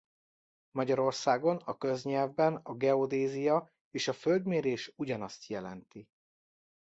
Magyarországon a köznyelvben a geodézia és a földmérés ugyanazt jelenti.